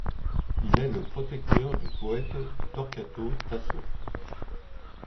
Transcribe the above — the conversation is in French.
Il est le protecteur du poète Torquato Tasso.